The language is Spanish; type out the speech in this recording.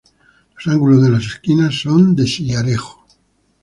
Los ángulos de las esquinas son de sillarejo.